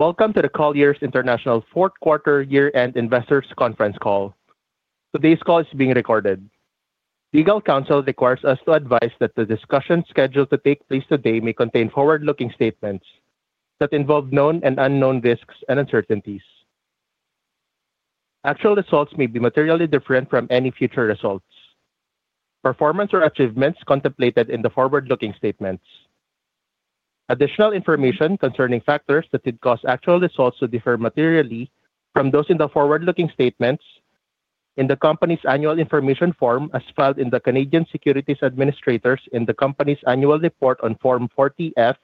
Welcome to the Colliers International Fourth Quarter Year-End Investors Conference Call. Today's call is being recorded. Legal counsel requires us to advise that the discussion scheduled to take place today may contain forward-looking statements that involve known and unknown risks and uncertainties. Actual results may be materially different from any future results. Performance or achievements contemplated in the forward-looking statements. Additional information concerning factors that could cause actual results to differ materially from those in the forward-looking statements in the company's annual information form, as filed in the Canadian Securities Administrators in the company's annual report on Form 40-F,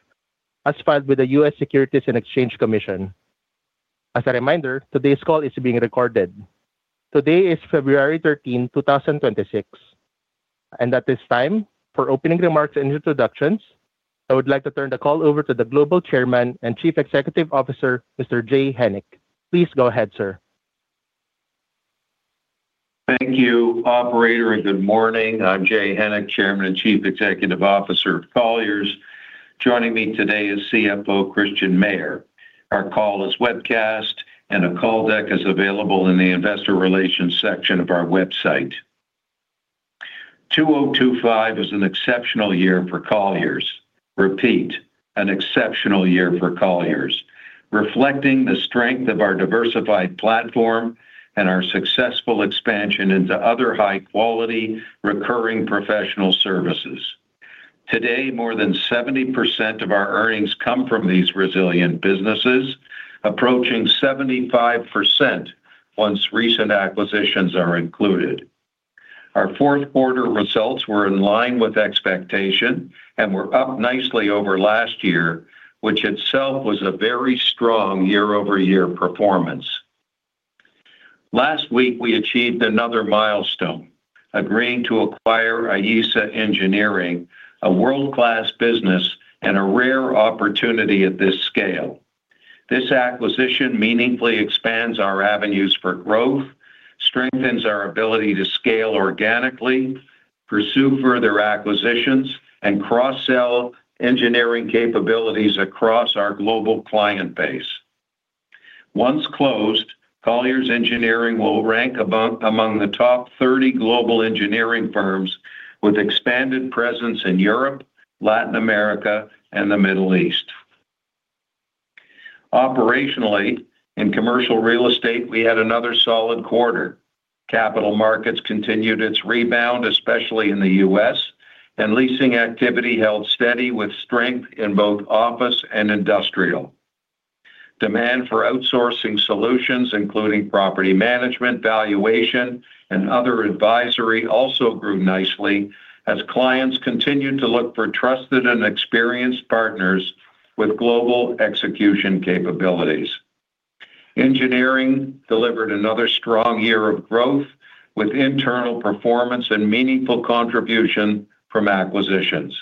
as filed with the US Securities and Exchange Commission. As a reminder, today's call is being recorded. Today is February 13, 2026, and at this time, for opening remarks and introductions, I would like to turn the call over to the Global Chairman and Chief Executive Officer, Mr. Jay Hennick. Please go ahead, sir. Thank you, operator, and good morning. I'm Jay Hennick, Chairman and Chief Executive Officer of Colliers. Joining me today is CFO, Christian Mayer. Our call is webcast and a call deck is available in the investor relations section of our website. 2025 is an exceptional year for Colliers. Repeat, an exceptional year for Colliers, reflecting the strength of our diversified platform and our successful expansion into other high-quality, recurring professional services. Today, more than 70% of our earnings come from these resilient businesses, approaching 75% once recent acquisitions are included. Our fourth quarter results were in line with expectation and were up nicely over last year, which itself was a very strong year-over-year performance. Last week, we achieved another milestone, agreeing to acquire Ayesa Engineering, a world-class business and a rare opportunity at this scale. This acquisition meaningfully expands our avenues for growth, strengthens our ability to scale organically, pursue further acquisitions, and cross-sell engineering capabilities across our global client base. Once closed, Colliers Engineering will rank among the top 30 global engineering firms with expanded presence in Europe, Latin America, and the Middle East. Operationally, in commercial real estate, we had another solid quarter. Capital Markets continued its rebound, especially in the U.S., and Leasing activity held steady with strength in both office and industrial. Demand for Outsourcing solutions, including property management, valuation, and other advisory, also grew nicely as clients continued to look for trusted and experienced partners with global execution capabilities. Engineering delivered another strong year of growth, with internal performance and meaningful contribution from acquisitions.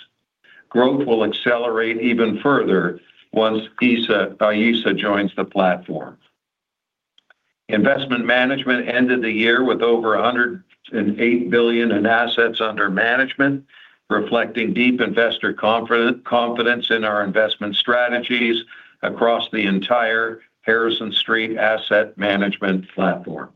Growth will accelerate even further once Ayesa joins the platform. Investment management ended the year with over $108 billion in assets under management, reflecting deep investor confidence in our investment strategies across the entire Harrison Street asset management platform.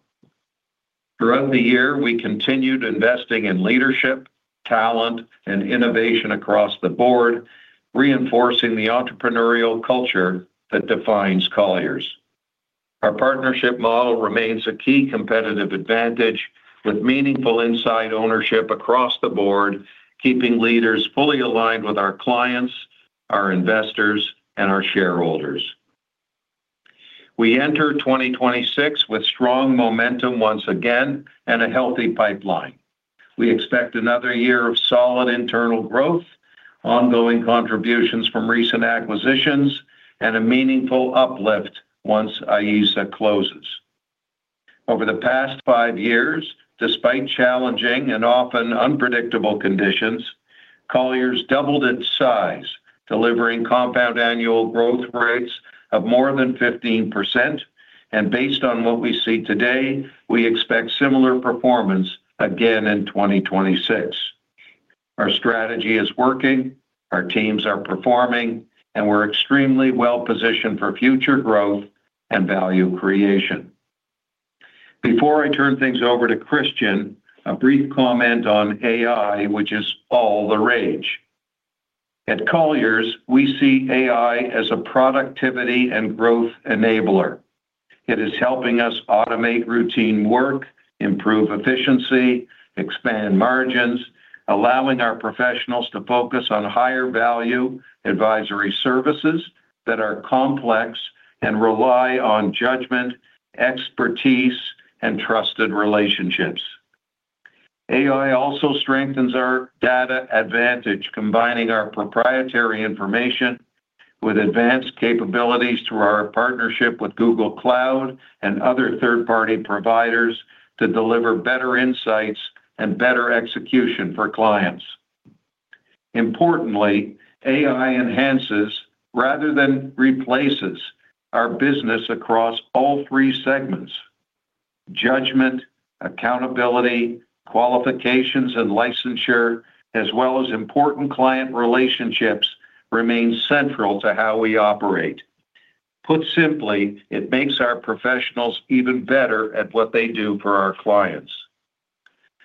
Throughout the year, we continued investing in leadership, talent, and innovation across the board, reinforcing the entrepreneurial culture that defines Colliers. Our partnership model remains a key competitive advantage, with meaningful inside ownership across the board, keeping leaders fully aligned with our clients, our investors, and our shareholders. We enter 2026 with strong momentum once again and a healthy pipeline. We expect another year of solid internal growth, ongoing contributions from recent acquisitions, and a meaningful uplift once Ayesa closes. Over the past five years, despite challenging and often unpredictable conditions, Colliers doubled its size, delivering compound annual growth rates of more than 15%, and based on what we see today, we expect similar performance again in 2026. Our strategy is working, our teams are performing, and we're extremely well-positioned for future growth and value creation. Before I turn things over to Christian, a brief comment on AI, which is all the rage. At Colliers, we see AI as a productivity and growth enabler. It is helping us automate routine work, improve efficiency, expand margins, allowing our professionals to focus on higher-value advisory services that are complex and rely on judgment, expertise, and trusted relationships. AI also strengthens our data advantage, combining our proprietary information with advanced capabilities through our partnership with Google Cloud and other third-party providers to deliver better insights and better execution for clients. Importantly, AI enhances rather than replaces our business across all three segments. Judgment, accountability, qualifications, and licensure, as well as important client relationships, remain central to how we operate. Put simply, it makes our professionals even better at what they do for our clients.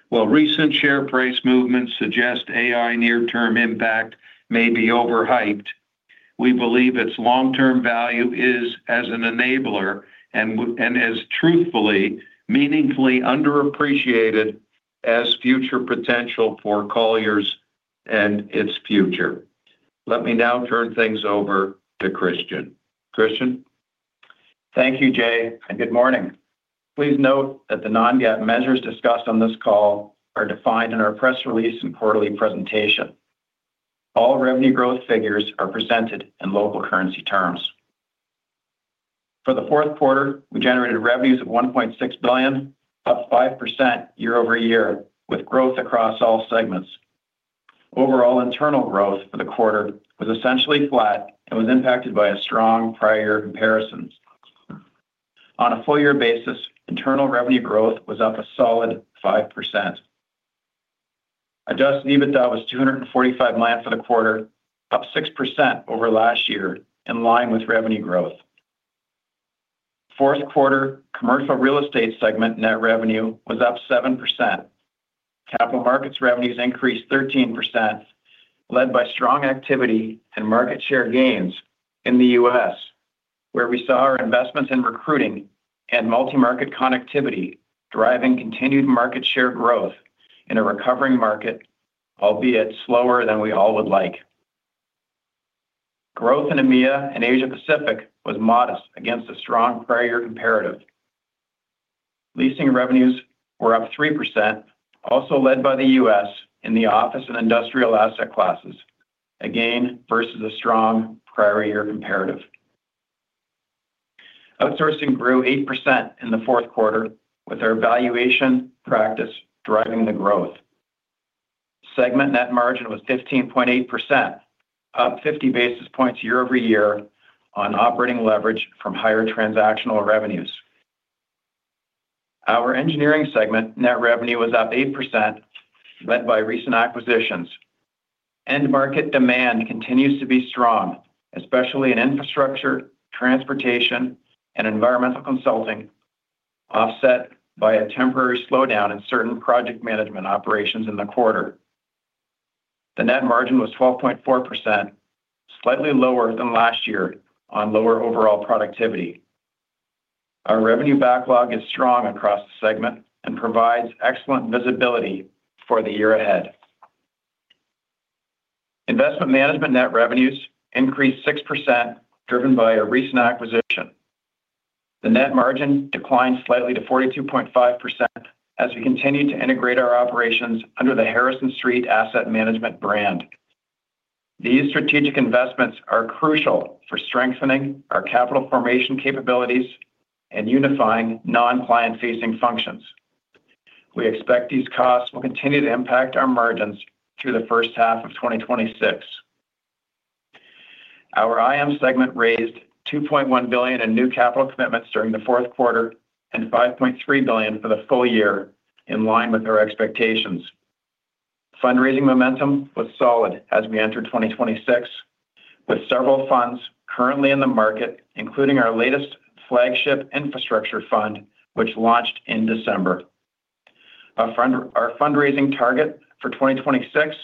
While recent share price movements suggest AI near-term impact may be overhyped, we believe its long-term value is as an enabler and as truthfully, meaningfully underappreciated as future potential for Colliers and its future. Let me now turn things over to Christian. Christian? Thank you, Jay, and good morning. Please note that the non-GAAP measures discussed on this call are defined in our press release and quarterly presentation. All revenue growth figures are presented in local currency terms. For the fourth quarter, we generated revenues of $1.6 billion, up 5% year-over-year, with growth across all segments. Overall internal growth for the quarter was essentially flat and was impacted by a strong prior comparisons. On a full year basis, internal revenue growth was up a solid 5%. Adjusted EBITDA was $245 million for the quarter, up 6% over last year, in line with revenue growth. Fourth quarter commercial real estate segment net revenue was up 7%. Capital Markets revenues increased 13%, led by strong activity and market share gains in the U.S., where we saw our investments in recruiting and multi-market connectivity driving continued market share growth in a recovering market, albeit slower than we all would like. Growth in EMEA and Asia Pacific was modest against a strong prior year comparative. Leasing revenues were up 3%, also led by the U.S. in the office and industrial asset classes, again, versus a strong prior year comparative. Outsourcing grew 8% in the fourth quarter, with our valuation practice driving the growth. Segment net margin was 15.8%, up 50 basis points year-over-year on operating leverage from higher transactional revenues. Our engineering segment net revenue was up 8%, led by recent acquisitions. End market demand continues to be strong, especially in infrastructure, transportation, and environmental consulting, offset by a temporary slowdown in certain project management operations in the quarter. The net margin was 12.4%, slightly lower than last year on lower overall productivity. Our revenue backlog is strong across the segment and provides excellent visibility for the year ahead. Investment Management net revenues increased 6%, driven by a recent acquisition. The net margin declined slightly to 42.5% as we continued to integrate our operations under the Harrison Street Asset Management brand. These strategic investments are crucial for strengthening our capital formation capabilities and unifying non-client-facing functions. We expect these costs will continue to impact our margins through the first half of 2026. Our IM segment raised $2.1 billion in new capital commitments during the fourth quarter and $5.3 billion for the full year, in line with our expectations. Fundraising momentum was solid as we entered 2026, with several funds currently in the market, including our latest flagship infrastructure fund, which launched in December. Our fund, our fundraising target for 2026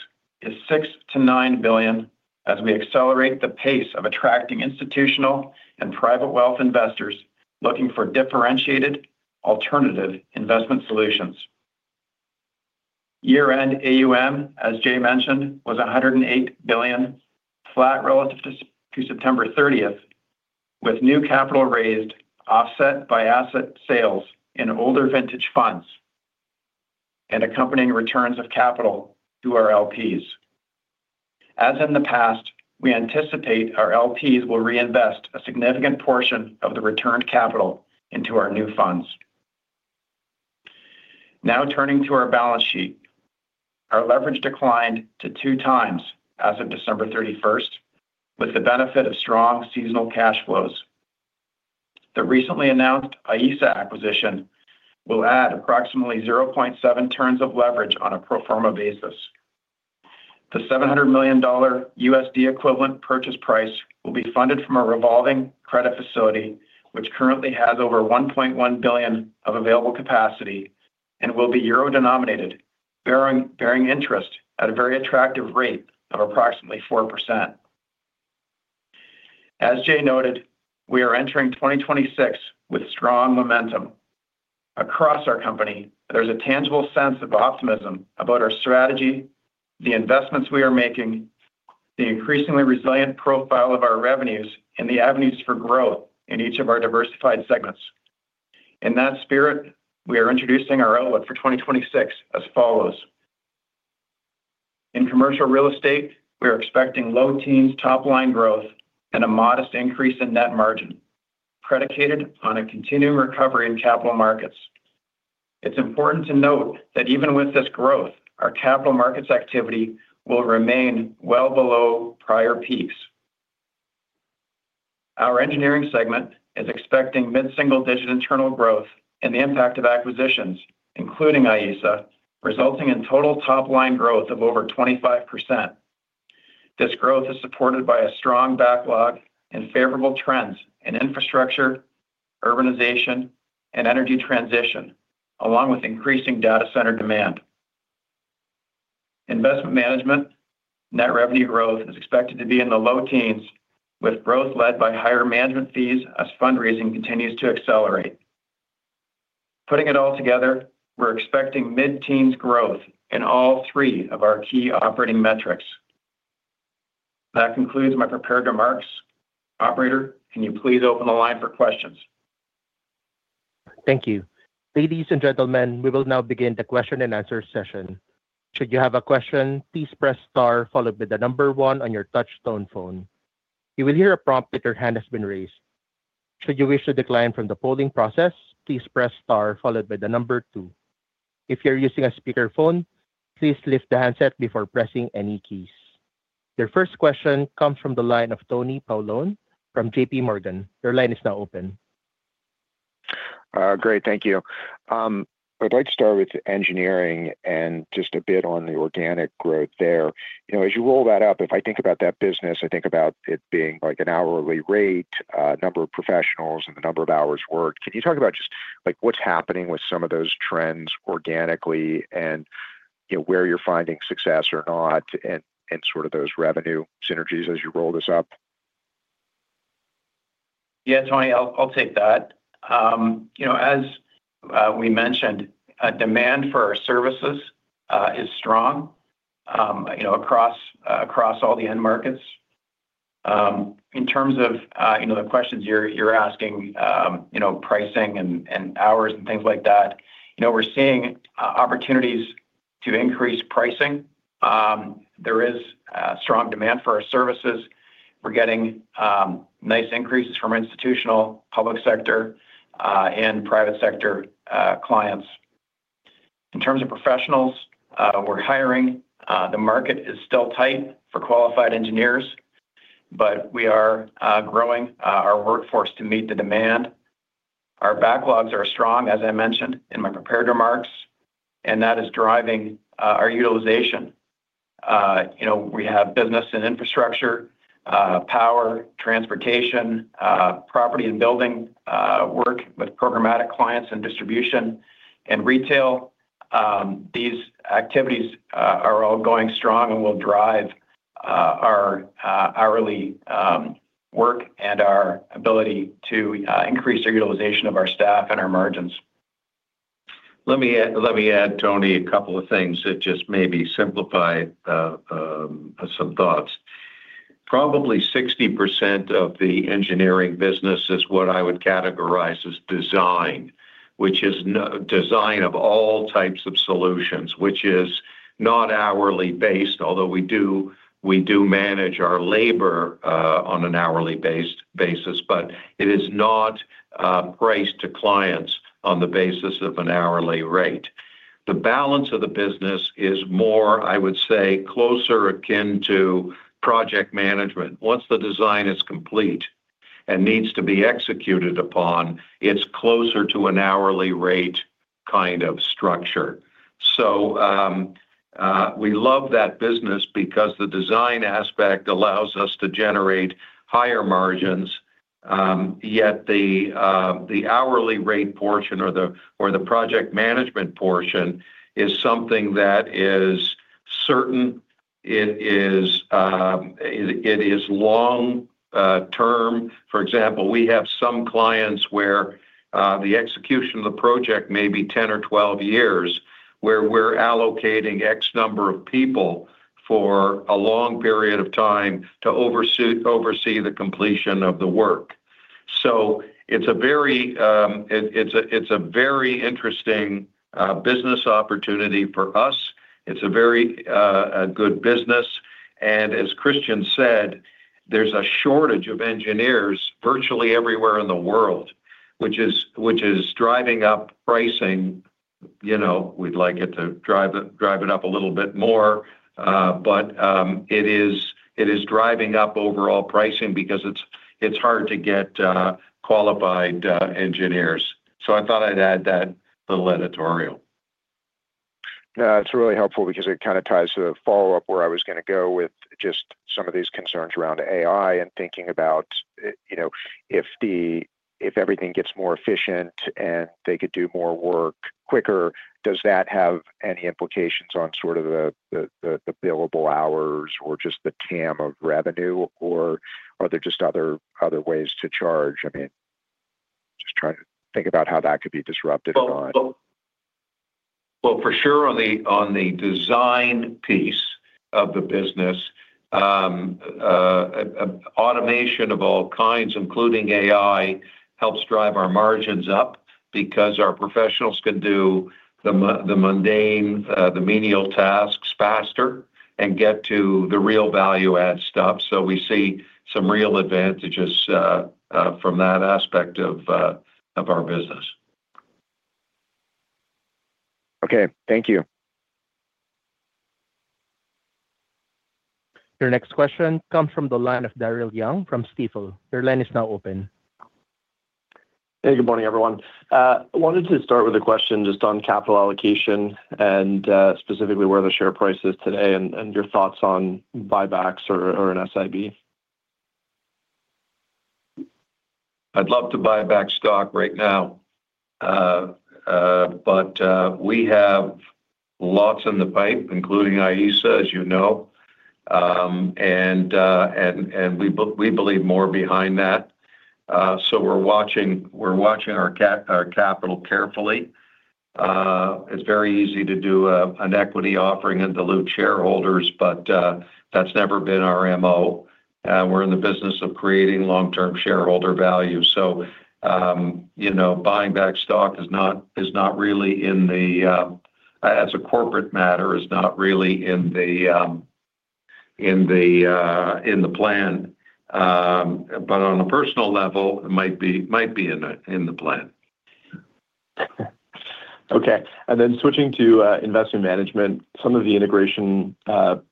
is $6 billion-$9 billion as we accelerate the pace of attracting institutional and private wealth investors looking for differentiated alternative investment solutions. Year-end AUM, as Jay mentioned, was $108 billion, flat relative to September 30, with new capital raised offset by asset sales in older vintage funds and accompanying returns of capital to our LPs. As in the past, we anticipate our LPs will reinvest a significant portion of the returned capital into our new funds. Now, turning to our balance sheet. Our leverage declined to 2x as of December 31st, with the benefit of strong seasonal cash flows. The recently announced Ayesa acquisition will add approximately 0.7 turns of leverage on a pro forma basis. The $700 million USD equivalent purchase price will be funded from a revolving credit facility, which currently has over 1.1 billion of available capacity and will be euro-denominated, bearing interest at a very attractive rate of approximately 4%. As Jay noted, we are entering 2026 with strong momentum. Across our company, there's a tangible sense of optimism about our strategy, the investments we are making, the increasingly resilient profile of our revenues, and the avenues for growth in each of our diversified segments. In that spirit, we are introducing our outlook for 2026 as follows: In commercial real estate, we are expecting low teens top-line growth and a modest increase in net margin, predicated on a continued recovery in Capital Markets. It's important to note that even with this growth, our Capital Markets activity will remain well below prior peaks.... Our Engineering segment is expecting mid-single-digit internal growth and the impact of acquisitions, including Ayesa, resulting in total top-line growth of over 25%. This growth is supported by a strong backlog and favorable trends in infrastructure, urbanization, and energy transition, along with increasing data center demand. Investment Management, net revenue growth is expected to be in the low teens, with growth led by higher management fees as fundraising continues to accelerate. Putting it all together, we're expecting mid-teens growth in all three of our key operating metrics. That concludes my prepared remarks. Operator, can you please open the line for questions? Thank you. Ladies and gentlemen, we will now begin the question-and-answer session. Should you have a question, please press star followed by one on your touch-tone phone. You will hear a prompt that your hand has been raised. Should you wish to decline from the polling process, please press star followed by two. If you're using a speakerphone, please lift the handset before pressing any keys. Your first question comes from the line of Tony Paolone from JPMorgan. Your line is now open. Great, thank you. I'd like to start with engineering and just a bit on the organic growth there. You know, as you roll that up, if I think about that business, I think about it being like an hourly rate, number of professionals, and the number of hours worked. Can you talk about just, like, what's happening with some of those trends organically and, you know, where you're finding success or not and sort of those revenue synergies as you roll this up? Yeah, Tony, I'll take that. You know, as we mentioned, demand for our services is strong, you know, across all the end markets. In terms of, you know, the questions you're asking, you know, pricing and hours and things like that, you know, we're seeing opportunities to increase pricing. There is strong demand for our services. We're getting nice increases from institutional, public sector, and private sector clients. In terms of professionals, we're hiring. The market is still tight for qualified engineers, but we are growing our workforce to meet the demand. Our backlogs are strong, as I mentioned in my prepared remarks, and that is driving our utilization. You know, we have business and infrastructure, power, transportation, property and building, work with programmatic clients and distribution and retail. These activities are all going strong and will drive our hourly work and our ability to increase the utilization of our staff and our margins. Let me let me add, Tony, a couple of things that just maybe simplify some thoughts. Probably 60% of the engineering business is what I would categorize as design, which is design of all types of solutions, which is not hourly based, although we do, we do manage our labor on an hourly-based basis, but it is not priced to clients on the basis of an hourly rate. The balance of the business is more, I would say, closer akin to project management. Once the design is complete and needs to be executed upon, it's closer to an hourly rate kind of structure. So, we love that business because the design aspect allows us to generate higher margins, yet the the hourly rate portion or the, or the project management portion is something that is certain. It is long term. For example, we have some clients where the execution of the project may be 10 or 12 years, where we're allocating X number of people for a long period of time to oversee the completion of the work. So it's a very interesting business opportunity for us. It's a very good business, and as Christian said, there's a shortage of engineers virtually everywhere in the world, which is driving up pricing. You know, we'd like it to drive it up a little bit more, but it is driving up overall pricing because it's hard to get qualified engineers. So I thought I'd add that little editorial. Yeah, it's really helpful because it kind of ties to a follow-up where I was gonna go with just some of these concerns around AI and thinking about, you know, if everything gets more efficient and they could do more work quicker, does that have any implications on sort of the billable hours or just the TAM of revenue, or are there just other ways to charge? I mean, just trying to think about how that could be disrupted or not? Well, well, well, for sure, on the, on the design piece of the business, automation of all kinds, including AI, helps drive our margins up because our professionals can do the mundane, the menial tasks faster and get to the real value-add stuff. So we see some real advantages, from that aspect of, of our business. Okay, thank you. Your next question comes from the line of Daryl Young from Stifel. Your line is now open. Hey, good morning, everyone. I wanted to start with a question just on capital allocation and, specifically where the share price is today and, and your thoughts on buybacks or, or an SIB. I'd love to buy back stock right now. But we have lots in the pipe, including Ayesa, as you know. And we believe more behind that. So we're watching our capital carefully. It's very easy to do an equity offering and dilute shareholders, but that's never been our MO. We're in the business of creating long-term shareholder value. So you know, buying back stock is not really in the, as a corporate matter, is not really in the plan. But on a personal level, it might be in the plan. Okay. And then switching to Investment Management, some of the integration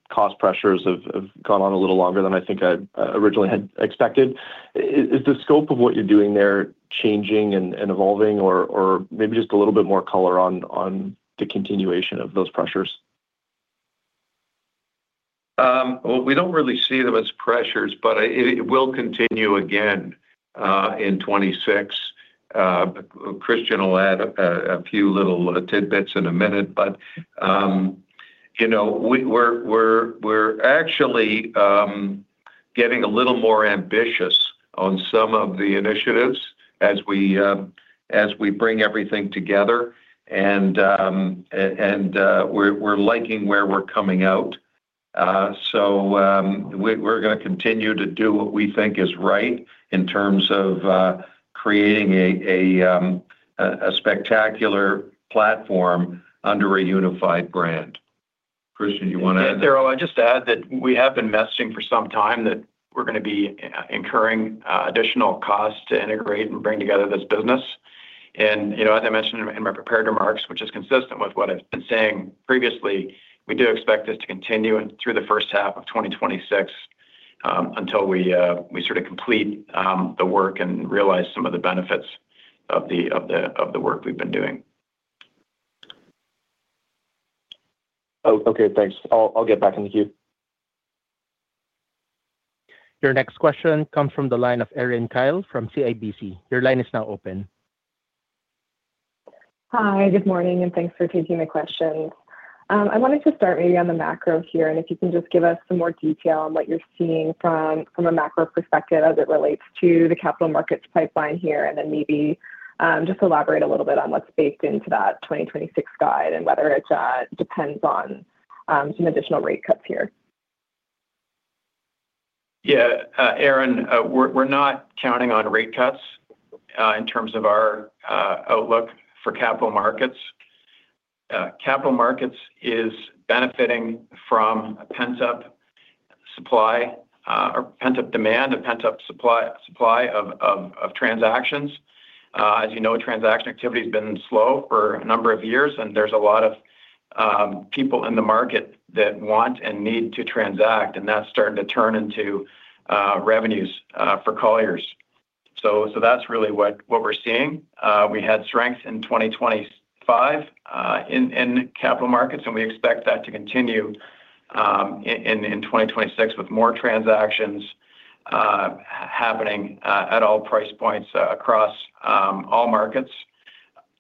cost pressures have gone on a little longer than I think I originally had expected. Is the scope of what you're doing there changing and evolving, or maybe just a little bit more color on the continuation of those pressures? Well, we don't really see them as pressures, but it will continue again in 2026. Christian will add a few little tidbits in a minute, but you know, we're actually getting a little more ambitious on some of the initiatives as we bring everything together, and we're liking where we're coming out. So, we're gonna continue to do what we think is right in terms of creating a spectacular platform under a unified brand. Christian, you want to add? Darryl, I just add that we have been messaging for some time that we're gonna be incurring additional costs to integrate and bring together this business. And, you know, as I mentioned in my prepared remarks, which is consistent with what I've been saying previously, we do expect this to continue through the first half of 2026, until we, we sort of complete the work and realize some of the benefits of the, of the, of the work we've been doing. Oh, okay, thanks. I'll, I'll get back in the queue. Your next question comes from the line of Erin Kyle from CIBC. Your line is now open. Hi, good morning, and thanks for taking the questions. I wanted to start maybe on the macro here, and if you can just give us some more detail on what you're seeing from a macro perspective as it relates to the Capital Markets pipeline here, and then maybe just elaborate a little bit on what's baked into that 2026 guide and whether it depends on some additional rate cuts here. Yeah, Erin, we're not counting on rate cuts in terms of our outlook for Capital Markets. Capital Markets is benefiting from a pent-up supply or pent-up demand, a pent-up supply of transactions. As you know, transaction activity has been slow for a number of years, and there's a lot of people in the market that want and need to transact, and that's starting to turn into revenues for Colliers. So that's really what we're seeing. We had strength in 2025 in Capital Markets, and we expect that to continue in 2026, with more transactions happening at all price points across all markets.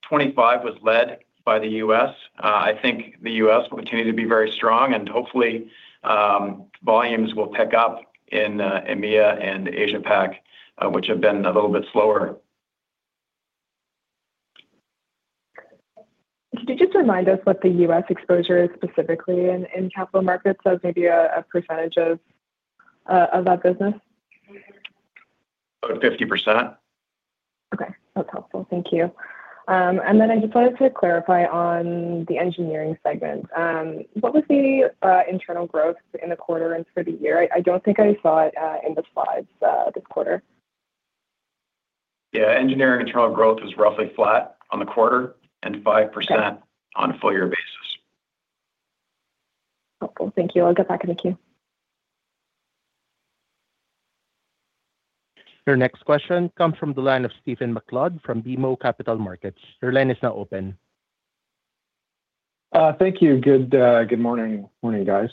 2025 was led by the U.S. I think the U.S. will continue to be very strong, and hopefully, volumes will pick up in EMEA and Asia Pac, which have been a little bit slower. Could you just remind us what the U.S. exposure is specifically in Capital Markets as maybe a percentage of that business? 50%. Okay, that's helpful. Thank you. And then I just wanted to clarify on the engineering segment. What was the internal growth in the quarter and for the year? I don't think I saw it in the slides this quarter. Yeah, Engineering internal growth was roughly flat on the quarter and 5%. Okay. On a full year basis. Cool. Thank you. I'll get back in the queue. Your next question comes from the line of Stephen MacLeod from BMO Capital Markets. Your line is now open. Thank you. Good morning. Morning, guys.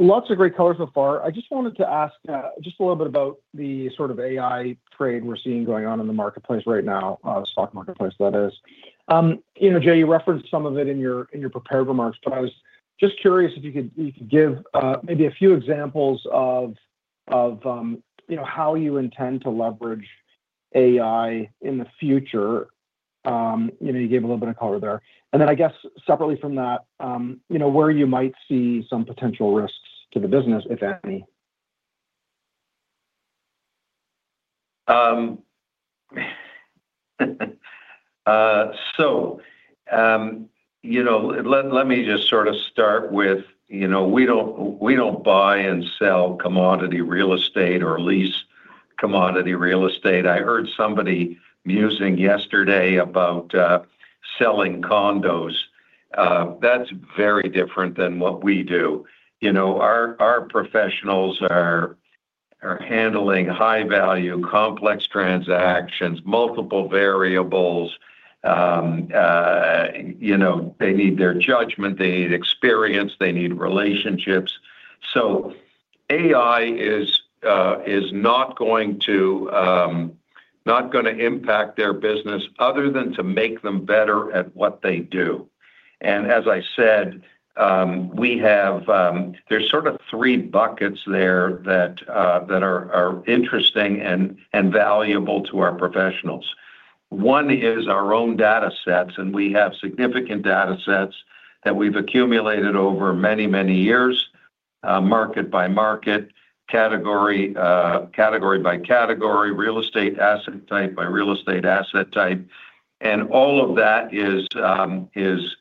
Lots of great color so far. I just wanted to ask, just a little bit about the sort of AI trade we're seeing going on in the marketplace right now, the stock marketplace, that is. You know, Jay, you referenced some of it in your prepared remarks, but I was just curious if you could give maybe a few examples of, you know, how you intend to leverage AI in the future. You know, you gave a little bit of color there. And then I guess separately from that, you know, where you might see some potential risks to the business, if any? So, you know, let me just sort of start with, you know, we don't, we don't buy and sell commodity real estate or lease commodity real estate. I heard somebody musing yesterday about selling condos. That's very different than what we do. You know, our professionals are handling high-value, complex transactions, multiple variables. You know, they need their judgment, they need experience, they need relationships. So AI is not going to impact their business other than to make them better at what they do. And as I said, there's sort of three buckets there that are interesting and valuable to our professionals. One is our own datasets, and we have significant datasets that we've accumulated over many, many years, market by market, category by category, real estate asset type by real estate asset type. And all of that is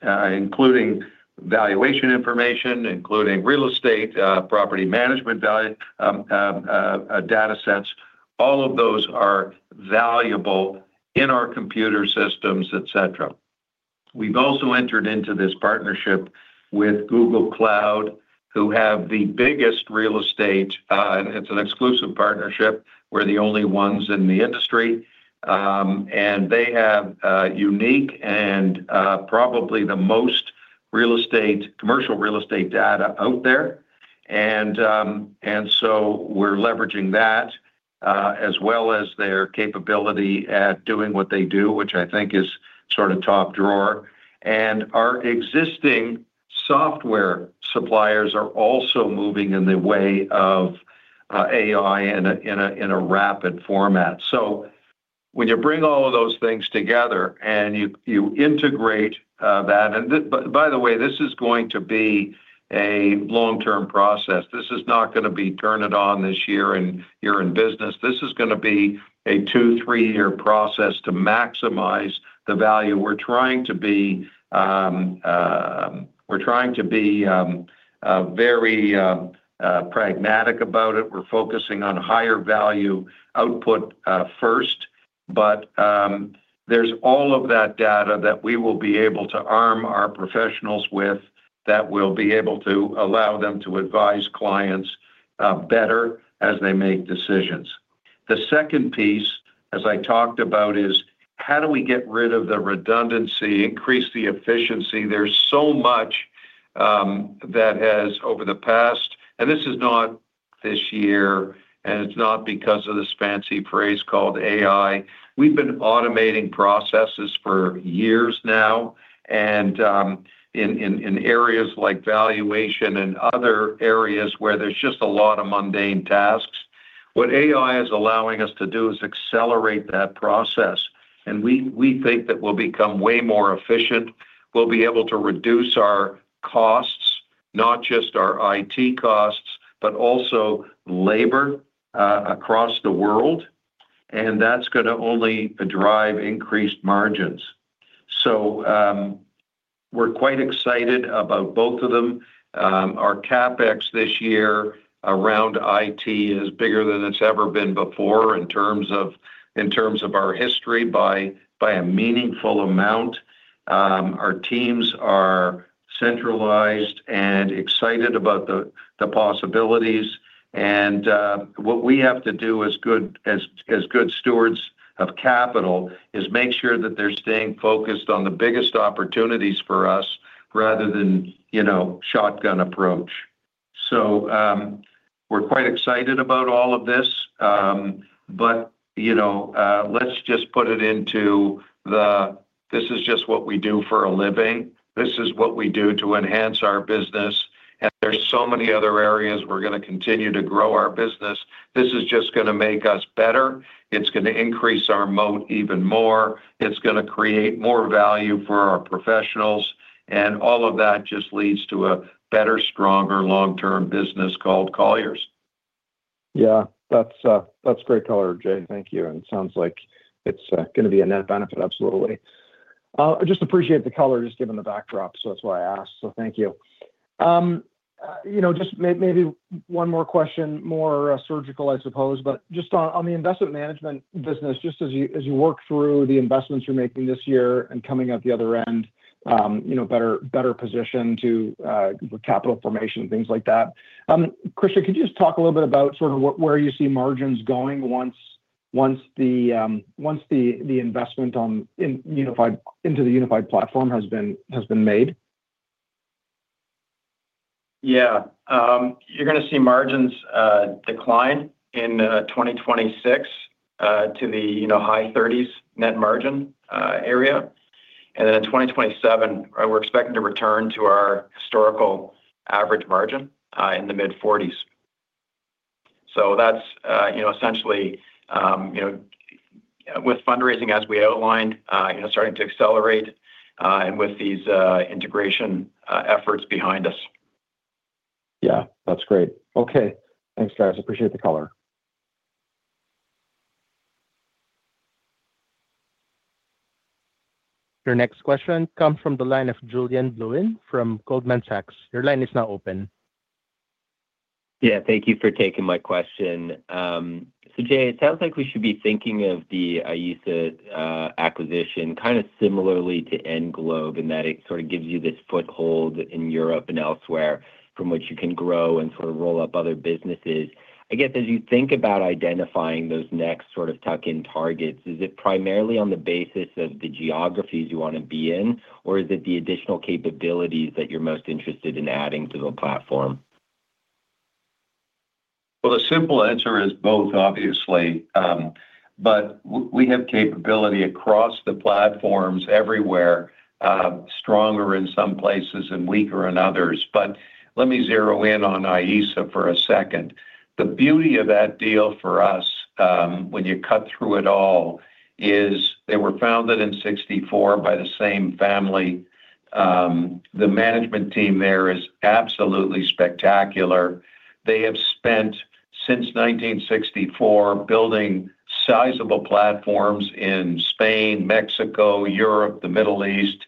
including valuation information, including real estate property management value, datasets. All of those are valuable in our computer systems, et cetera. We've also entered into this partnership with Google Cloud, who have the biggest real estate. It's an exclusive partnership. We're the only ones in the industry. And they have a unique and probably the most real estate-commercial real estate data out there. And so we're leveraging that, as well as their capability at doing what they do, which I think is sort of top drawer. Our existing software suppliers are also moving in the way of AI in a rapid format. So when you bring all of those things together and you integrate that. And this, by the way, this is going to be a long-term process. This is not gonna be turn it on this year, and you're in business. This is gonna be a two to three-year process to maximize the value. We're trying to be very pragmatic about it. We're focusing on higher value output first. But there's all of that data that we will be able to arm our professionals with, that we'll be able to allow them to advise clients better as they make decisions. The second piece, as I talked about, is: how do we get rid of the redundancy, increase the efficiency? There's so much that has, over the past, and this is not this year, and it's not because of this fancy phrase called AI. We've been automating processes for years now, and in areas like valuation and other areas where there's just a lot of mundane tasks. What AI is allowing us to do is accelerate that process, and we think that we'll become way more efficient. We'll be able to reduce our costs, not just our IT costs, but also labor across the world, and that's gonna only drive increased margins. So, we're quite excited about both of them. Our CapEx this year around IT is bigger than it's ever been before in terms of our history by a meaningful amount. Our teams are centralized and excited about the possibilities, and what we have to do as good stewards of capital is make sure that they're staying focused on the biggest opportunities for us rather than, you know, shotgun approach. So, we're quite excited about all of this, but, you know, let's just put it into the, "This is just what we do for a living." This is what we do to enhance our business, and there's so many other areas we're gonna continue to grow our business. This is just gonna make us better. It's gonna increase our moat even more. It's gonna create more value for our professionals, and all of that just leads to a better, stronger, long-term business called Colliers. Yeah, that's, that's great color, Jay. Thank you. And it sounds like it's, gonna be a net benefit. Absolutely. I just appreciate the color, just given the backdrop, so that's why I asked. So thank you. You know, just maybe one more question, more, surgical, I suppose, but just on, on the investment management business, just as you, as you work through the investments you're making this year and coming out the other end, you know, better, better positioned to, capital formation and things like that. Christian, could you just talk a little bit about sort of where you see margins going once, once the, once the, the investment on, in unified into the unified platform has been, has been made? Yeah. You're gonna see margins decline in 2026 to the, you know, high 30s net margin area. And then in 2027, we're expecting to return to our historical average margin in the mid-40s. So that's, you know, essentially, you know, with fundraising, as we outlined, you know, starting to accelerate, and with these integration efforts behind us. Yeah, that's great. Okay, thanks, guys. I appreciate the color. Your next question comes from the line of Julien Blouin from Goldman Sachs. Your line is now open. Yeah, thank you for taking my question. So, Jay, it sounds like we should be thinking of the Ayesa acquisition kind of similarly to Englobe, and that it sort of gives you this foothold in Europe and elsewhere, from which you can grow and sort of roll up other businesses. I guess, as you think about identifying those next sort of tuck-in targets, is it primarily on the basis of the geographies you want to be in? Or is it the additional capabilities that you're most interested in adding to the platform? Well, the simple answer is both, obviously. But we have capability across the platforms everywhere, stronger in some places and weaker in others. But let me zero in on Ayesa for a second. The beauty of that deal for us, when you cut through it all, is they were founded in 1964 by the same family. The management team there is absolutely spectacular. They have spent since 1964, building sizable platforms in Spain, Mexico, Europe, the Middle East,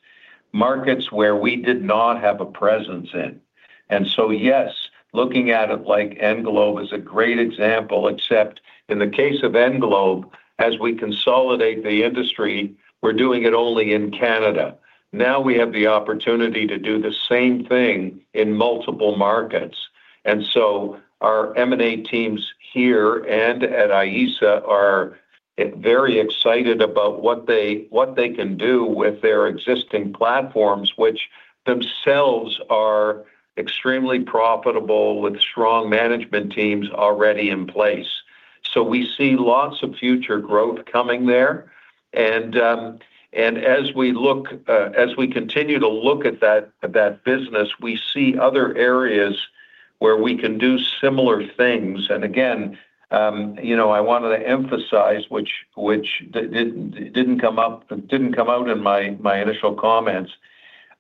markets where we did not have a presence in. And so, yes, looking at it like Englobe is a great example, except in the case of Englobe, as we consolidate the industry, we're doing it only in Canada. Now we have the opportunity to do the same thing in multiple markets. And so our M&A teams here and at Ayesa are very excited about what they can do with their existing platforms, which themselves are extremely profitable, with strong management teams already in place. So we see lots of future growth coming there. And as we look, as we continue to look at that business, we see other areas where we can do similar things. And again, you know, I wanted to emphasize, which didn't come out in my initial comments.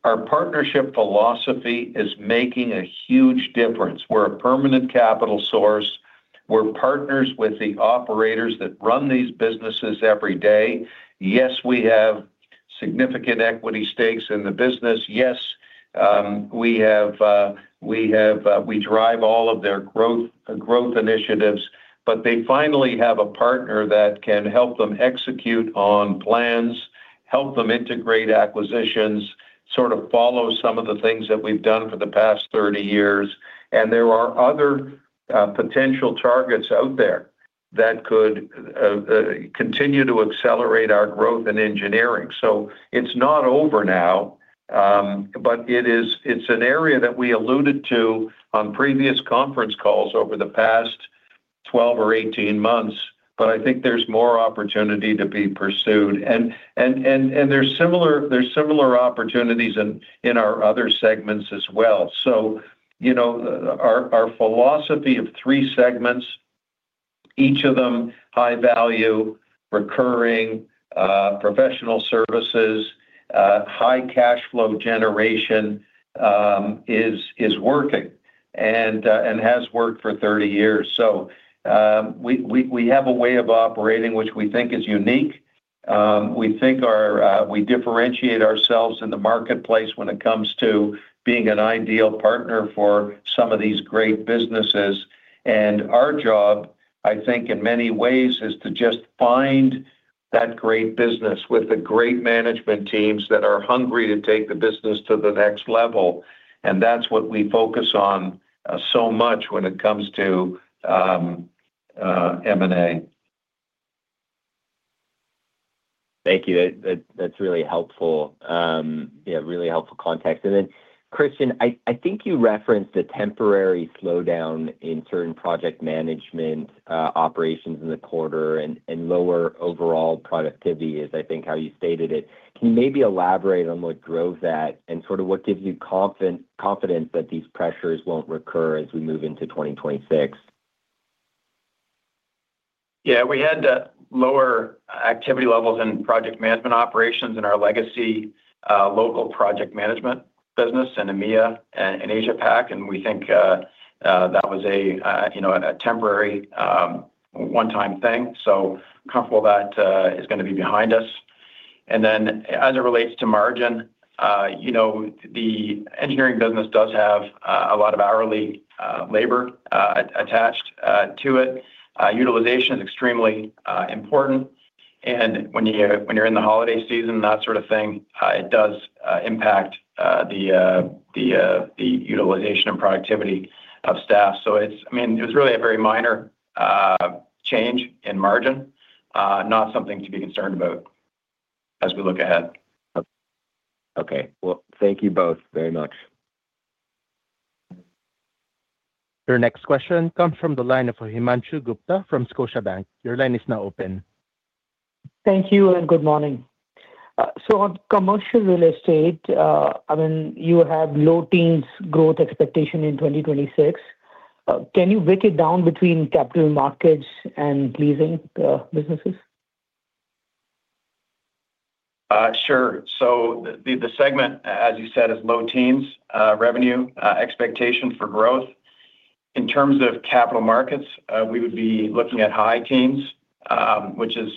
Our partnership philosophy is making a huge difference. We're a permanent capital source. We're partners with the operators that run these businesses every day. Yes, we have significant equity stakes in the business. Yes, we drive all of their growth, growth initiatives, but they finally have a partner that can help them execute on plans, help them integrate acquisitions, sort of follow some of the things that we've done for the past 30 years. And there are other potential targets out there that could continue to accelerate our growth in engineering. So it's not over now, but it is... It's an area that we alluded to on previous conference calls over the past 12 or 18 months, but I think there's more opportunity to be pursued. And there's similar opportunities in our other segments as well. So, you know, our philosophy of three segments, each of them high value, recurring professional services, high cash flow generation, is working and has worked for 30 years. So, we have a way of operating, which we think is unique. We think we differentiate ourselves in the marketplace when it comes to being an ideal partner for some of these great businesses. And our job, I think, in many ways, is to just find that great business with the great management teams that are hungry to take the business to the next level. And that's what we focus on so much when it comes to M&A. Thank you. That that's really helpful. Yeah, really helpful context. And then, Christian, I think you referenced a temporary slowdown in certain project management operations in the quarter and lower overall productivity is, I think, how you stated it. Can you maybe elaborate on what drove that and sort of what gives you confidence that these pressures won't recur as we move into 2026? Yeah, we had lower activity levels in project management operations in our legacy local project management business in EMEA and Asia Pac. And we think that was a you know a temporary one-time thing, so comfortable that is gonna be behind us. And then as it relates to margin you know the engineering business does have a lot of hourly labor attached to it. Utilization is extremely important, and when you're in the holiday season, that sort of thing it does impact the utilization and productivity of staff. So it's, I mean, it was really a very minor change in margin not something to be concerned about as we look ahead. Okay. Well, thank you both very much. Your next question comes from the line of Himanshu Gupta from Scotiabank. Your line is now open. Thank you and good morning. So on commercial real estate, I mean, you have low teens growth expectation in 2026. Can you break it down between Capital Markets and Leasing businesses? Sure. So the segment, as you said, is low teens revenue expectation for growth. In terms of Capital Markets, we would be looking at high teens, which is,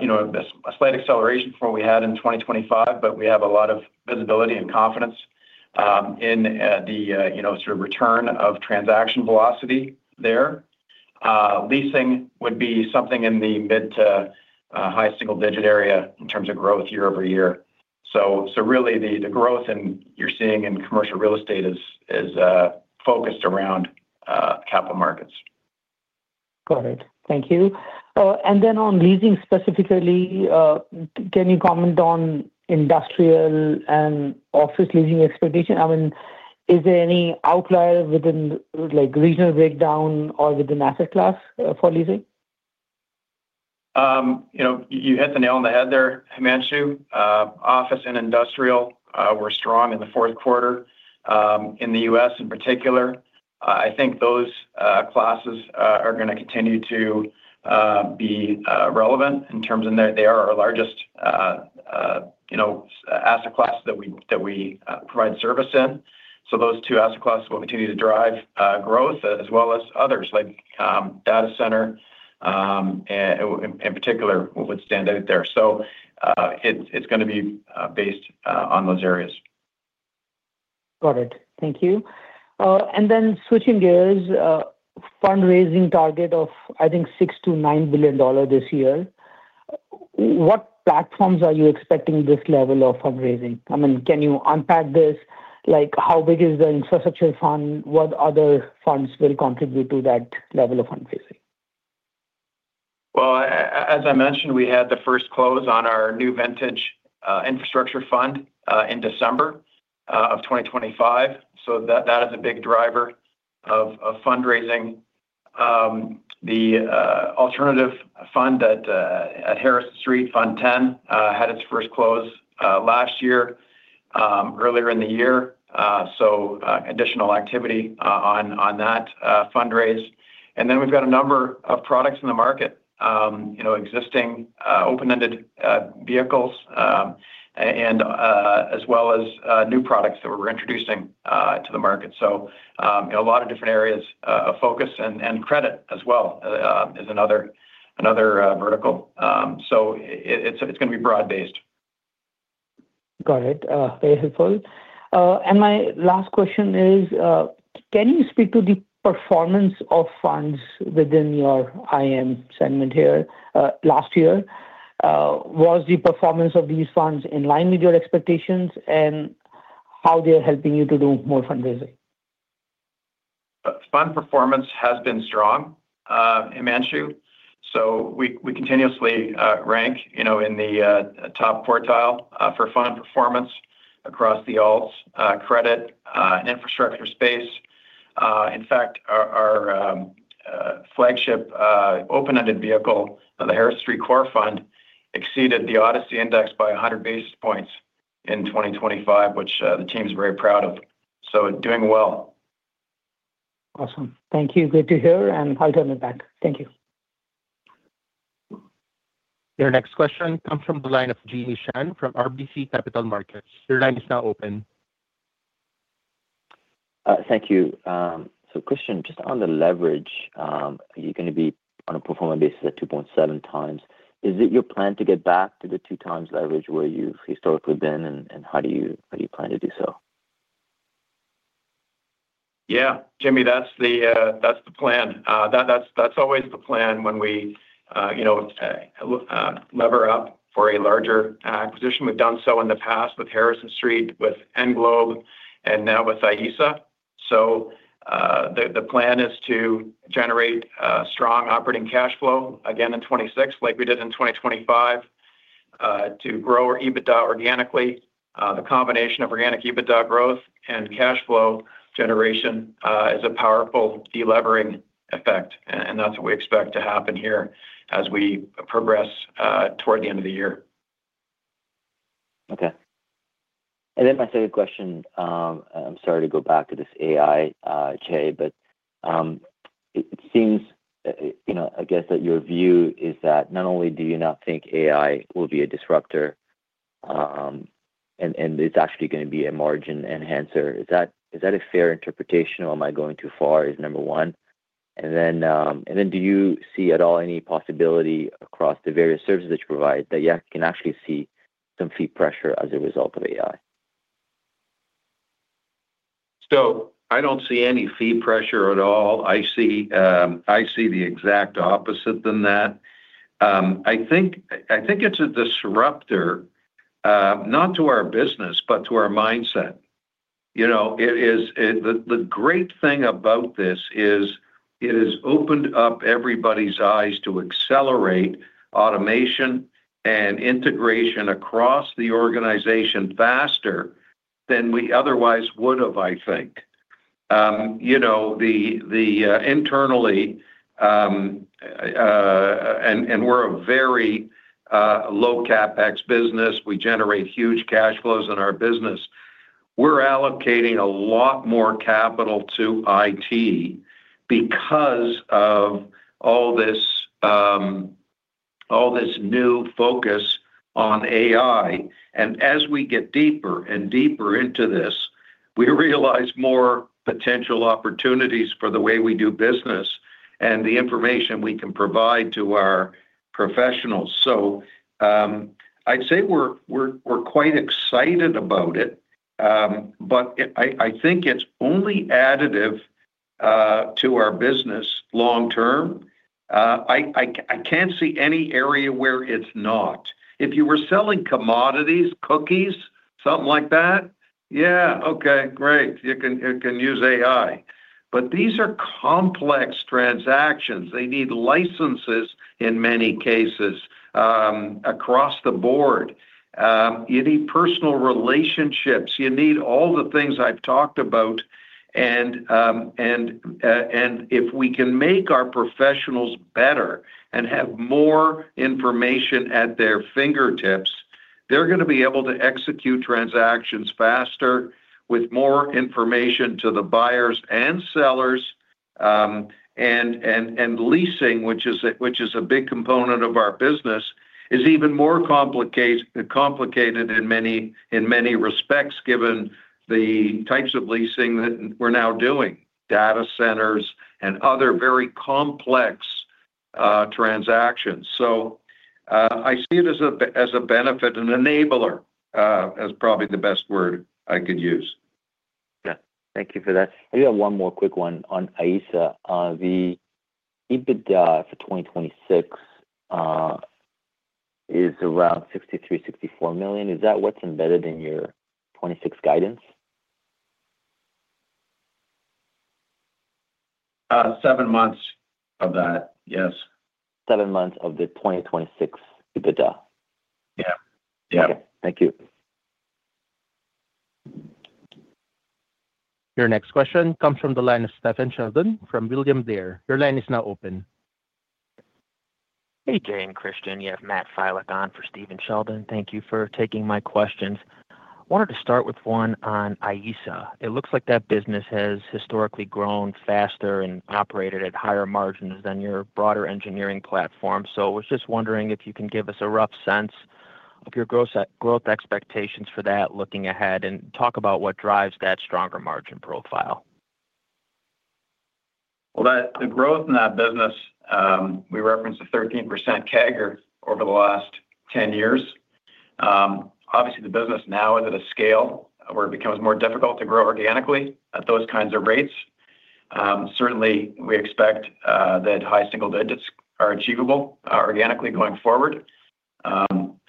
you know, a slight acceleration from what we had in 2025, but we have a lot of visibility and confidence in the, you know, sort of return of transaction velocity there. Leasing would be something in the mid- to high single-digit area in terms of growth year-over-year. So really the growth you're seeing in commercial real estate is focused around Capital Markets. Got it. Thank you. And then on leasing specifically, can you comment on industrial and office leasing expectation? I mean, is there any outlier within, like, regional breakdown or within asset class, for leasing? You know, you hit the nail on the head there, Himanshu. Office and industrial were strong in the fourth quarter in the US in particular. I think those classes are going to continue to be relevant in terms of they, they are our largest, you know, asset class that we, that we provide service in. So those two asset classes will continue to drive growth as well as others, like, data center and in, in particular, would stand out there. So, it's, it's gonna be based on those areas. Got it. Thank you. And then switching gears, fundraising target of, I think, $6 billion-$9 billion this year. What platforms are you expecting this level of fundraising? I mean, can you unpack this? Like, how big is the infrastructure fund? What other funds will contribute to that level of fundraising? Well, as I mentioned, we had the first close on our new vintage infrastructure fund in December of 2025. So that is a big driver of fundraising. The alternative fund at Harrison Street, Fund 10, had its first close last year, earlier in the year. So additional activity on that fundraise. And then we've got a number of products in the market, you know, existing open-ended vehicles, and as well as new products that we're introducing to the market. So a lot of different areas of focus and credit as well is another vertical. So it's gonna be broad-based. Got it. Very helpful. My last question is, can you speak to the performance of funds within your IM segment here, last year? Was the performance of these funds in line with your expectations and how they are helping you to do more fundraising? Fund performance has been strong, Himanshu. So we, we continuously rank, you know, in the top quartile for fund performance across the alts, credit, and infrastructure space. In fact, our, our flagship open-ended vehicle, the Harris Street Core Fund, exceeded the ODCE Index by 100 basis points in 2025, which the team is very proud of. So doing well. Awesome. Thank you. Good to hear, and I'll turn it back. Thank you. Your next question comes from the line of Jimmy Shan from RBC Capital Markets. Your line is now open. Thank you. So Christian, just on the leverage, you're gonna be on a pro forma basis at 2.7x. Is it your plan to get back to the 2x leverage where you've historically been, and how do you plan to do so? Yeah, Jimmy, that's the plan. That's always the plan when we, you know, lever up for a larger acquisition. We've done so in the past with Harrison Street, with Englobe, and now with Ayesa. So, the plan is to generate a strong operating cash flow again in 2026, like we did in 2025, to grow our EBITDA organically. The combination of organic EBITDA growth and cash flow generation is a powerful delevering effect, and that's what we expect to happen here as we progress toward the end of the year. Okay. And then my second question, I'm sorry to go back to this AI, but it seems, you know, I guess that your view is that not only do you not think AI will be a disruptor, and it's actually gonna be a margin enhancer. Is that a fair interpretation or am I going too far, is number one? And then do you see at all any possibility across the various services that you provide, that you can actually see some fee pressure as a result of AI? So I don't see any fee pressure at all. I see, I see the exact opposite than that. I think, I think it's a disruptor, not to our business, but to our mindset. You know, it is the great thing about this is it has opened up everybody's eyes to accelerate automation and integration across the organization faster than we otherwise would have, I think. You know, internally, and we're a very low CapEx business. We generate huge cash flows in our business. We're allocating a lot more capital to IT because of all this. All this new focus on AI, and as we get deeper and deeper into this, we realize more potential opportunities for the way we do business and the information we can provide to our professionals. So, I'd say we're quite excited about it, but I think it's only additive to our business long term. I can't see any area where it's not. If you were selling commodities, cookies, something like that, yeah, okay, great, you can use AI. But these are complex transactions. They need licenses in many cases across the board. You need personal relationships. You need all the things I've talked about, and if we can make our professionals better and have more information at their fingertips, they're gonna be able to execute transactions faster with more information to the buyers and sellers. Leasing, which is a big component of our business, is even more complicated in many respects, given the types of leasing that we're now doing, data centers and other very complex transactions. I see it as a benefit, an enabler, is probably the best word I could use. Yeah. Thank you for that. I got one more quick one on Ayesa. The EBITDA for 2026 is around $63 million-$64 million. Is that what's embedded in your 2026 guidance? Seven months of that, yes. Seven months of the 2026 EBITDA? Yeah. Yeah. Thank you. Your next question comes from the line of Stephen Sheldon from William Blair. Your line is now open. Hey, Jay and Christian. You have Matt Filek on for Stephen Sheldon. Thank you for taking my questions. Wanted to start with one on Ayesa. It looks like that business has historically grown faster and operated at higher margins than your broader engineering platform. So I was just wondering if you can give us a rough sense of your growth, growth expectations for that looking ahead, and talk about what drives that stronger margin profile. Well, the growth in that business, we referenced a 13% CAGR over the last 10 years. Obviously, the business now is at a scale where it becomes more difficult to grow organically at those kinds of rates. Certainly, we expect that high single digits are achievable organically going forward.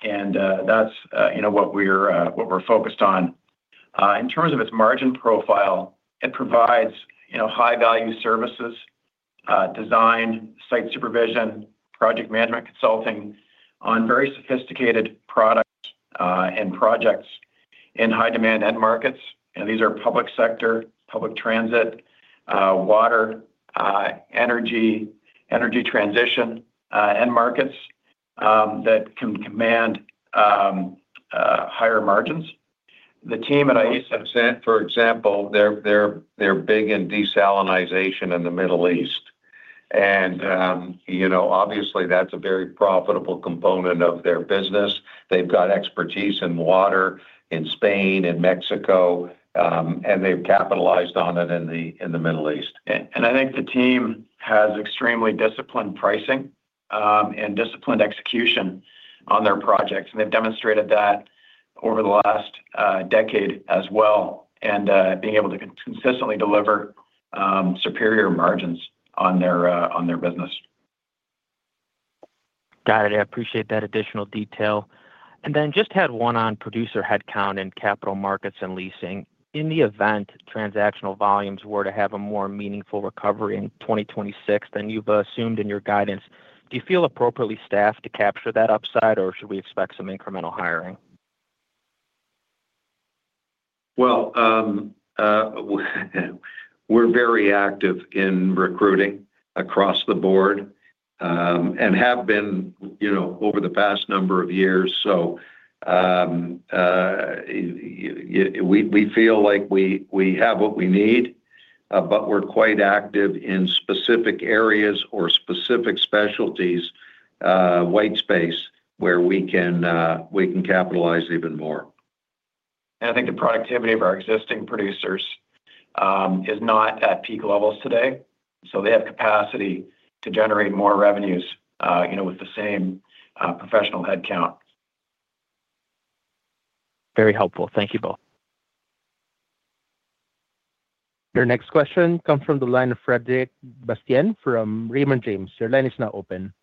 And that's, you know, what we're focused on. In terms of its margin profile, it provides, you know, high-value services, design, site supervision, project management consulting on very sophisticated products and projects in high-demand end markets. And these are public sector, public transit, water, energy, energy transition end markets that can command higher margins. The team at Ayesa, for example, they're big in desalination in the Middle East. And, you know, obviously, that's a very profitable component of their business. They've got expertise in water in Spain and Mexico, and they've capitalized on it in the Middle East. I think the team has extremely disciplined pricing and disciplined execution on their projects, and they've demonstrated that over the last decade as well, and being able to consistently deliver superior margins on their business. Got it. I appreciate that additional detail. And then just had one on producer headcount in Capital Markets and Leasing. In the event transactional volumes were to have a more meaningful recovery in 2026 than you've assumed in your guidance, do you feel appropriately staffed to capture that upside, or should we expect some incremental hiring? Well, we're very active in recruiting across the board, and have been, you know, over the past number of years. We feel like we have what we need, but we're quite active in specific areas or specific specialties, white space, where we can capitalize even more. I think the productivity of our existing producers is not at peak levels today, so they have capacity to generate more revenues, you know, with the same professional headcount. Very helpful. Thank you both. Your next question comes from the line of Frederic Bastien from Raymond James. Your line is now open.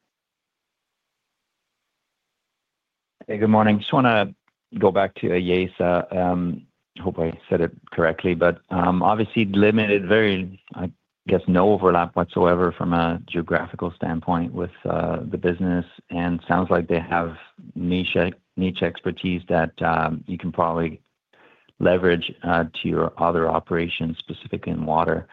Hey, good morning. Just wanna go back to Ayesa. Hope I said it correctly, but obviously very limited, I guess, no overlap whatsoever from a geographical standpoint with the business, and sounds like they have niche expertise that you can probably leverage to your other operations, specifically in water.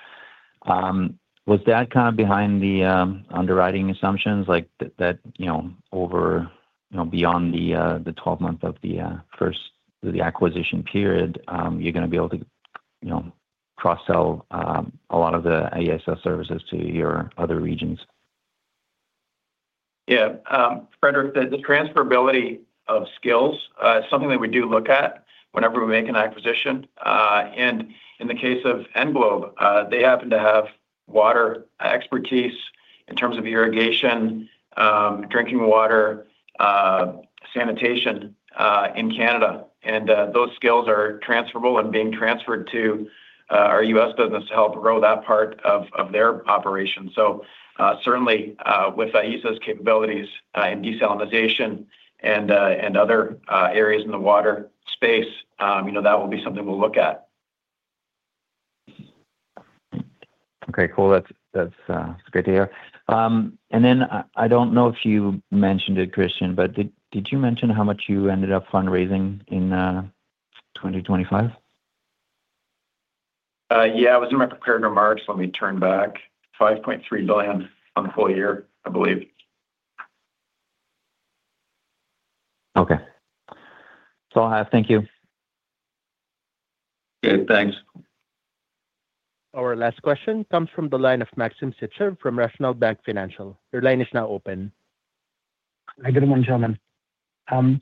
Was that kind of behind the underwriting assumptions? Like that, you know, over, you know, beyond the 12 months of the acquisition period, you're gonna be able to, you know, cross-sell a lot of the Ayesa services to your other regions? Yeah, Frederic, the transferability of skills is something that we do look at whenever we make an acquisition. And in the case of Englobe, they happen to have water expertise in terms of irrigation, drinking water, sanitation, in Canada. And those skills are transferable and being transferred to our U.S. business to help grow that part of their operation. So certainly with Ayesa's capabilities in desalination and other areas in the water space, you know, that will be something we'll look at. Okay, cool. That's great to hear. And then I don't know if you mentioned it, Christian, but did you mention how much you ended up fundraising in 2025? Yeah, it was in my prepared remarks. Let me turn back. $5.3 billion on the full year, I believe. Okay. So I thank you. Okay, thanks. Our last question comes from the line of Maxim Sytchev from National Bank Financial. Your line is now open. Hi, good morning, gentlemen.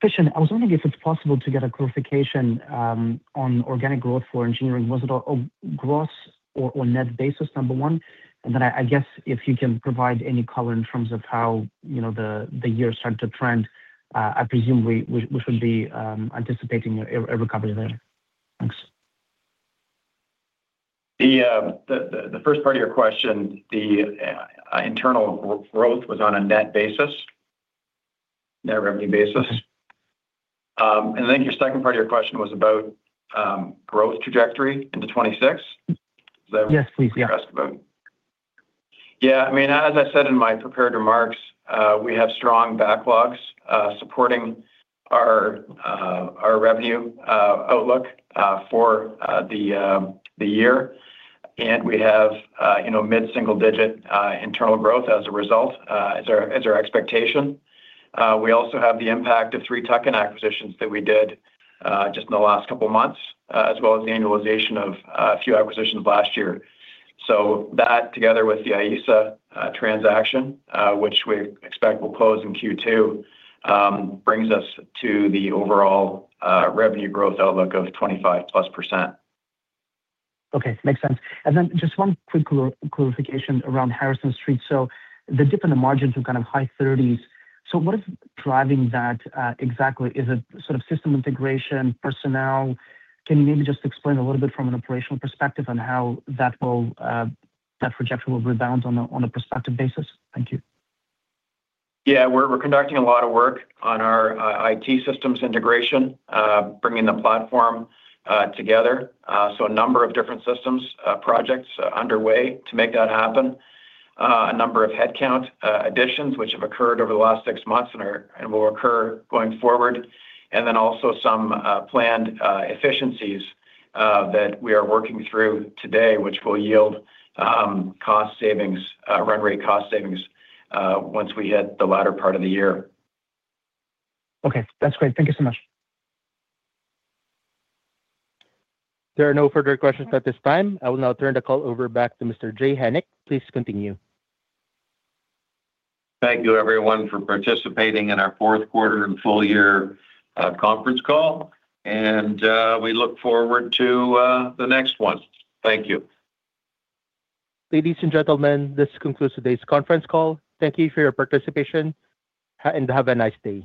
Christian, I was wondering if it's possible to get a clarification on organic growth for engineering. Was it a gross or net basis, number one? And then I guess, if you can provide any color in terms of how, you know, the year started to trend, I presume we should be anticipating a recovery there. Thanks. The first part of your question, internal growth was on a net basis, net revenue basis. And I think your second part of your question was about growth trajectory into 2026? Yes, please. Yeah. Is that what you're asking about? Yeah, I mean, as I said in my prepared remarks, we have strong backlogs supporting our revenue outlook for the year. And we have, you know, mid-single digit internal growth as a result is our expectation. We also have the impact of three tuck-in acquisitions that we did just in the last couple of months as well as the annualization of a few acquisitions last year. So that, together with the Ayesa transaction, which we expect will close in Q2, brings us to the overall revenue growth outlook of 25%+. Okay, makes sense. And then just one quick clarification around Harrison Street. So the dip in the margins were kind of high 30s%. So what is driving that, exactly? Is it sort of system integration, personnel? Can you maybe just explain a little bit from an operational perspective on how that will, that projection will rebound on a prospective basis? Thank you. Yeah, we're conducting a lot of work on our IT systems integration, bringing the platform together. So a number of different systems projects underway to make that happen. A number of headcount additions, which have occurred over the last six months and will occur going forward. And then also some planned efficiencies that we are working through today, which will yield cost savings, run rate cost savings, once we hit the latter part of the year. Okay, that's great. Thank you so much. There are no further questions at this time. I will now turn the call over back to Mr. Jay Hennick. Please continue. Thank you, everyone, for participating in our fourth quarter and full year conference call, and we look forward to the next one. Thank you. Ladies and gentlemen, this concludes today's conference call. Thank you for your participation, and have a nice day.